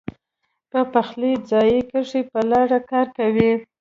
پۀ پخلي ځائے کښې پۀ ولاړه کار کوي